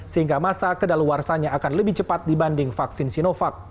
sehingga masa kedaluarsanya akan lebih cepat dibanding vaksin sinovac